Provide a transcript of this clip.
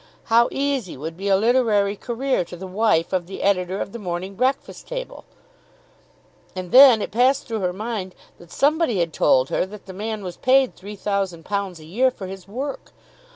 How easy would be a literary career to the wife of the editor of the "Morning Breakfast Table!" And then it passed through her mind that somebody had told her that the man was paid £3,000 a year for his work.